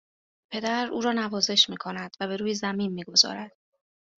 پدر او را نوازش میکند و به روی زمین میگذارد